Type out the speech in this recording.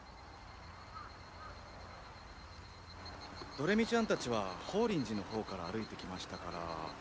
どれみちゃんたちは法輪寺の方から歩いてきましたから。